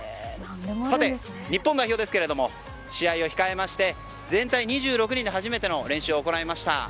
さて、日本代表ですけど試合を控えまして全体２６人で初めての練習を行いました。